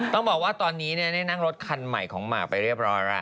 ต้องบอกว่าตอนนี้นี่นรถคันใหม่ของหมาไปเรียบร้อน